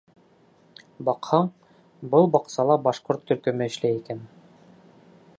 Баҡһаң, был баҡсала башҡорт төркөмө эшләй икән.